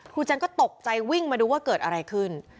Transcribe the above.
แจงก็ตกใจวิ่งมาดูว่าเกิดอะไรขึ้น